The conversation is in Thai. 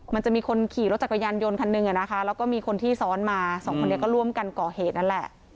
มันจะมีคนขี่รถจักรยานยนต์คันหนึ่งแล้วก็มีคนที่ซ้อนมาสองคนนี้ก็ร่วมกันก่อเหตุนั่นแหละ